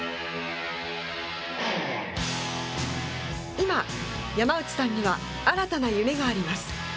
今、山内さんには新たな夢があります。